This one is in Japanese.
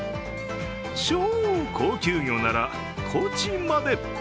超高級魚ならコチまで。